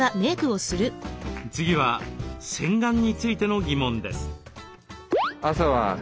次は洗顔についての疑問です。